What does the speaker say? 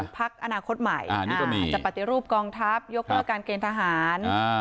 พักอนาคตใหม่อ่านี่ก็มีอ่าจะปฏิรูปกองทัพยกเกิดการเกณฑ์ทหารอ่า